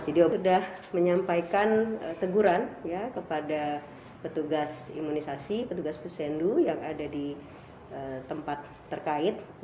jadi sudah menyampaikan teguran kepada petugas imunisasi petugas pusendu yang ada di tempat terkait